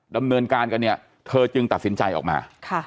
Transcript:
ดำเนินการกันเนี่ยเธอจึงตัดสินใจออกมา